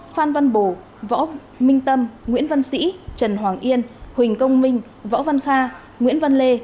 phan văn bồ võ minh tâm nguyễn văn sĩ trần hoàng yên huỳnh công minh võ văn kha nguyễn văn lê